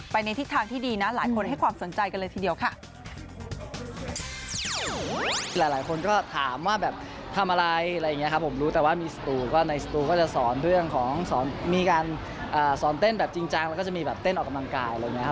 ในทิศทางที่ดีนะหลายคนให้ความสนใจกันเลยทีเดียวค่ะ